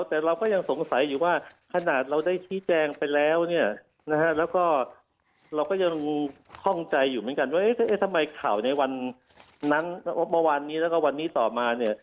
แต่เราก็ยังสงสัยอยู่ว่าขนาดเราได้ชี้แจงไปแล้วเนี่ยนะฮะแล้วก็เราก็ยังคล่องใจอยู่เหมือนกันว่าเอ๊ะทำไมข่าวในวันนั้นเมื่อวานนี้แล้วก็วันนี้ต่อมาเนี่ย